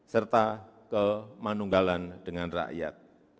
serta kemandunggalan dengan rakyat